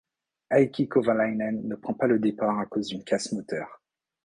Heikki Kovalainen ne prend pas le départ à cause d'une casse moteur.